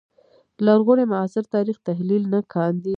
لرغوني معاصر تاریخ تحلیل نه کاندي